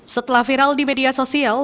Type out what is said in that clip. setelah viral di media sosial